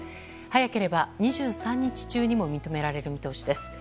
早ければ、２３日中にも認められる見通しです。